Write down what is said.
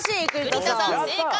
栗田さん正解！